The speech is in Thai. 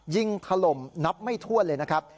ถล่มนับไม่ถ้วนเลยนะครับ